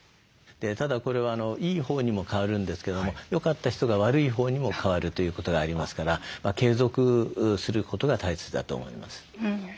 ただこれはいいほうにも変わるんですけどもよかった人が悪いほうにも変わるということがありますから継続することが大切だと思います。